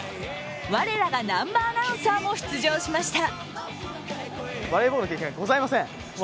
我らが南波アナウンサーも出場しました。